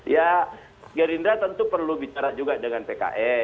ya gerindra tentu perlu bicara juga dengan pks